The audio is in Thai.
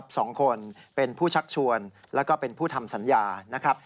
สองคนเป็นผู้ชักชวนแล้วก็เป็นผู้ทำสัญญานะครับ